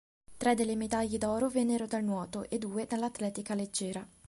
Tre delle medaglie d'oro vennero dal nuoto e due dall'atletica leggera.